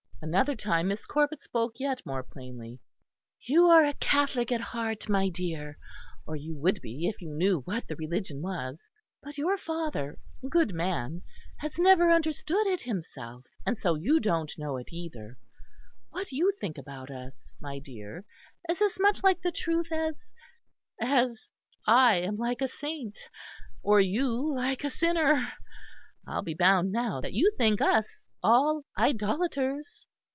Another time Miss Corbet spoke yet more plainly. "You are a Catholic at heart, my dear; or you would be if you knew what the Religion was. But your father, good man, has never understood it himself; and so you don't know it either. What you think about us, my dear, is as much like the truth as as I am like a saint, or you like a sinner. I'll be bound now that you think us all idolaters!"